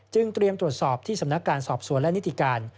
เตรียมตรวจสอบที่สำนักการสอบสวนและนิติการ